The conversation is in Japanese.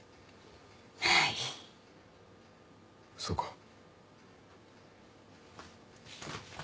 そうか。